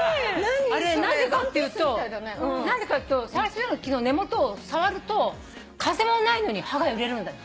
あれ何でかっていうと何でかっていうとサルスベリの木の根元を触ると風もないのに葉が揺れるんだって。